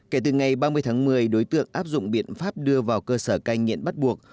kể từ ngày ba mươi tháng một mươi đối tượng áp dụng biện pháp đưa vào cơ sở cai nghiện bắt buộc